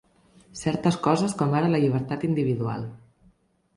Certes coses com ara la llibertat individual